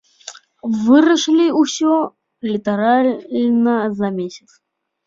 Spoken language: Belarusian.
Вырашылі ўсё літаральна за месяц.